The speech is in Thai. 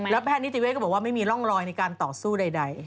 แพทย์นิติเวศก็บอกว่าไม่มีร่องรอยในการต่อสู้ใด